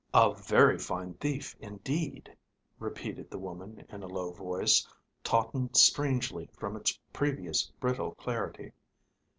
"A very fine thief indeed," repeated the woman in a low voice tautened strangely from its previous brittle clarity.